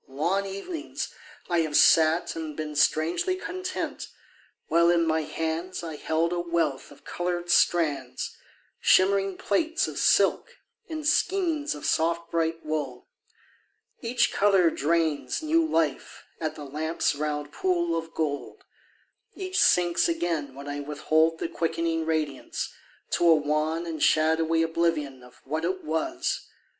Long evenings I have sat and been Strangely content, while in my hands I held a wealth of coloured strands, Shimmering plaits of silk and skeins Of soft bright wool. Each colour drains New life at the lamp's round pool of gold; Each sinks again when I withhold The quickening radiance, to a wan And shadowy oblivion Of what it was.